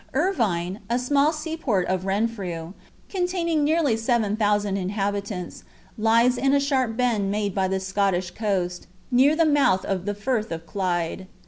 Irvine, a little seaport of Renfrew, containing nearly seven thousand inhabitants, lies in a sharp bend made by the Scottish coast, near the mouth of the Firth of Clyde.